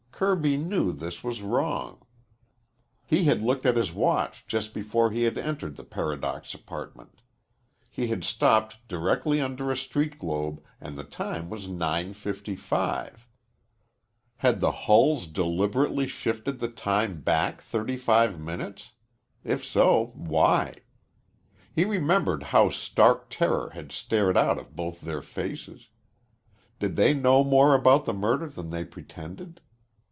Kirby knew this was wrong. He had looked at his watch just before he had entered the Paradox Apartment. He had stopped directly under a street globe, and the time was 9.55. Had the Hulls deliberately shifted the time back thirty five minutes? If so, why? He remembered how stark terror had stared out of both their faces. Did they know more about the murder than they pretended?